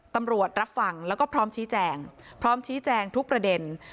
รับฟังแล้วก็พร้อมชี้แจงพร้อมชี้แจงทุกประเด็น